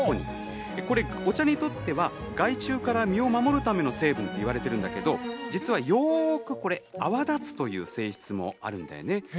これはお茶にとっては害虫から身を守るための成分といわれているんだけど実はよく泡立つという性質もあるんだよね。